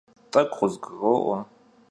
T'ek'u khızguro'ue.